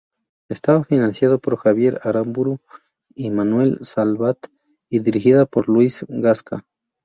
Estaba financiada por Javier Aramburu y Manuel Salvat, y dirigida por Luis Gasca.